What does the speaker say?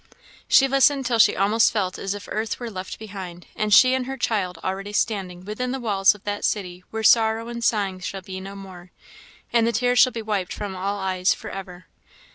She listened till she almost felt as if earth were left behind, and she and her child already standing within the walls of that city where sorrow and sighing shall be no more, and the tears shall be wiped from all eyes for ever.